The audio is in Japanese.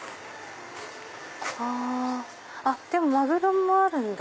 あっでもマグロもあるんだ！